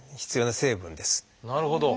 なるほど。